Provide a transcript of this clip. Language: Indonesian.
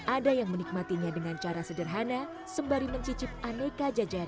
ada yang menikmatinya dengan cara sederhana sembari mencicip aneka jajanan